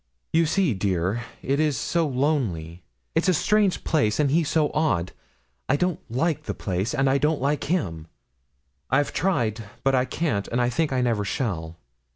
'You see, dear, it is so lonely; it's a strange place, and he so odd. I don't like the place, and I don't like him. I've tried, but I can't, and I think I never shall.